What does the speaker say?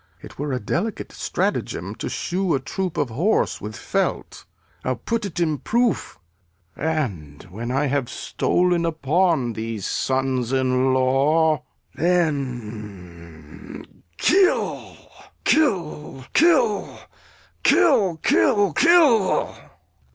It were a delicate stratagem to shoe A troop of horse with felt. I'll put't in proof, And when I have stol'n upon these sons in law, Then kill, kill, kill, kill, kill, kill!